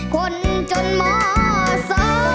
คนจนหมอสอ